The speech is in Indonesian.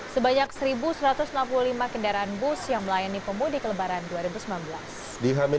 sebanyak satu satu ratus enam puluh lima kendaraan bus yang melayani pemudik lebaran dua ribu sembilan belas